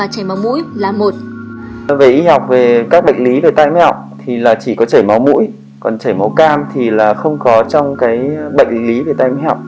chảy máu cam và chảy máu mũi là một